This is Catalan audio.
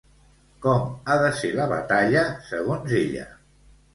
Com ha de ser la batalla segons ella?